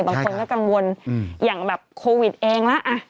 บางคนก็กังวลอย่างแบบโควิดเองละ